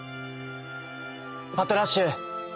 「パトラッシュ！